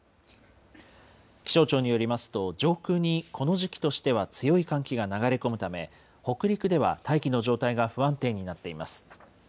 気象庁によりますと、上空にこの時期としては強い寒気が流れ込むため、北陸では大気の状態が不安定になっています。